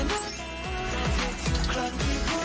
สุดท้ายสุดท้าย